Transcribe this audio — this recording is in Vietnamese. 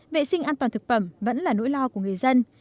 vệ sinh an toàn thực phẩm vẫn là nỗi lo của người dân